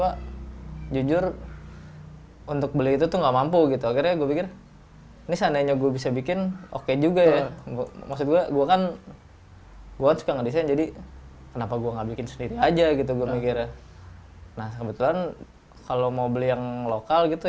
khususnya pengguna media sosial juga turut dimanfaatkan oleh kamengski